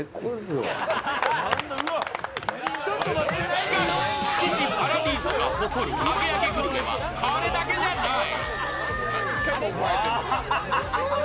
しかし、築地パラディーゾが誇るアゲアゲグルメはこれだけじゃない！